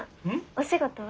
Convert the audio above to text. お仕事は？